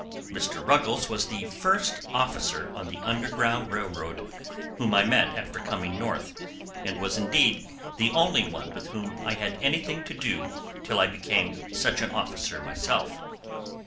Mr. Ruggles was the first officer on the "Underground Railroad" whom I met after coming North, and was, indeed, the only one with whom I had anything to do till I became such an officer myself.